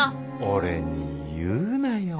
俺に言うなよ。